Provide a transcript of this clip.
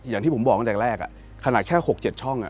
อย่างที่ผมบอกตั้งแต่แรกขนาดแค่๖๗ช่อง